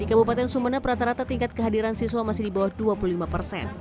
di kabupaten sumeneb rata rata tingkat kehadiran siswa masih di bawah dua puluh lima persen